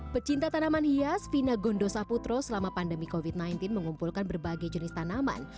pecinta tanaman hias vina gondo saputro selama pandemi covid sembilan belas mengumpulkan berbagai jenis tanaman